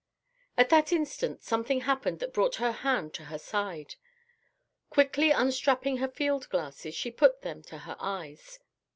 At that instant something happened that brought her hand to her side. Quickly unstrapping her field glasses, she put them to her eyes.